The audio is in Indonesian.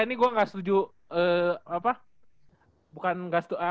ini gue gak setuju